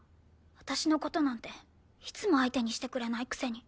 私の事なんていつも相手にしてくれないくせに。